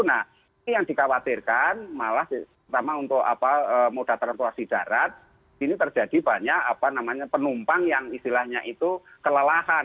nah ini yang dikhawatirkan malah pertama untuk moda transportasi darat ini terjadi banyak penumpang yang istilahnya itu kelelahan